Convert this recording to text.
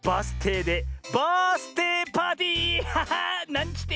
なんちって！